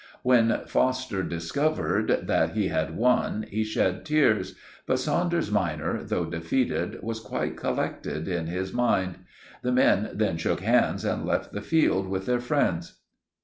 "When Foster discovered that he had won, he shed tears. But Saunders minor, though defeated, was quite collected in his mind. The men then shook hands and left the field with their friends.